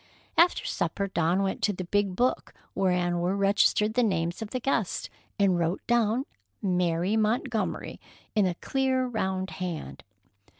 After supper Dawn went to the big book wherein were registered the names of the guests, and wrote down "Mary Montgomery" in a clear, round hand.